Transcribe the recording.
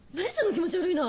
気持ち悪いな。